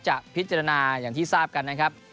จะพิจารณาอย่างที่ทราบกันนะครับ